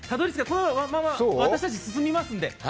このまま私たち進みますんで。